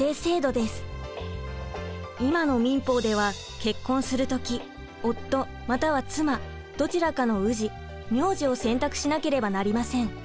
今の民法では結婚する時夫または妻どちらかの「氏」名字を選択しなければなりません。